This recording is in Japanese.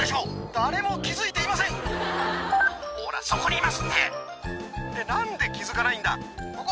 誰も気付いていません・・ほらそこにいますって・・何で気付かないんだ！